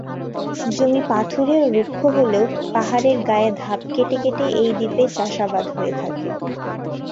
জমি পাথুরে ও রুক্ষ হলেও পাহাড়ের গায়ে ধাপ কেটে কেটে এই দ্বীপে চাষাবাদ হয়ে থাকে।